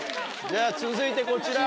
じゃ続いてこちら。